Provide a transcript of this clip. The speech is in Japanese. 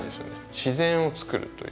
自然を作るという。